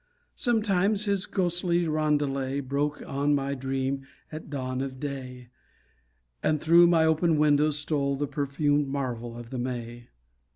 Sometimes his ghostly rondelay Broke on my dream at dawn of day, And through my open window stole The perfumed marvel of the May.